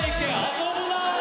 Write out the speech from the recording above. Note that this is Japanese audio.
遊ぶな！